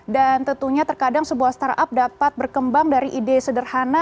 dan tentunya terkadang sebuah startup dapat berkembang dari ide sederhana